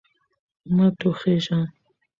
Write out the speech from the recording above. مه ټوخیژه